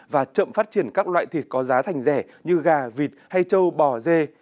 và chậm phát triển các loại thịt có giá thành rẻ như gà vịt hay châu bò dê